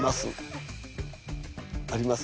あります。